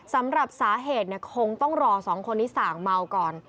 สำหรับสาเหตุคงต้องรอสองคนที่สั่งเมาก่อน